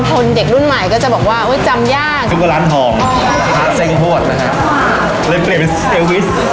กลับไปจะเป็นเอลวิส